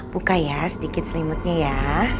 buka ya sedikit selimutnya ya